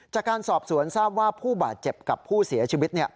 จากการสอบสวนทราบว่าผู้บาดเจ็บกับผู้เสียชีวิต